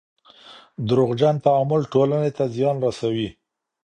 دروغجن تعامل ټولني ته زیان رسوي.